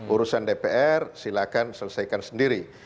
urusan dpr silahkan selesaikan sendiri